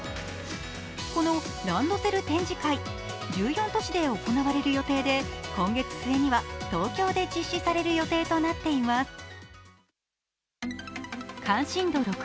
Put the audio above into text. このランドセル展示会、１４都市で行われる予定で今月末には東京で実施される予定となっています。